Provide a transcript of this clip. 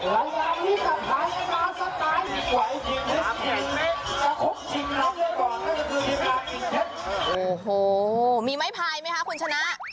โอ้โหมีไม้พายไหมคะคุณชนะ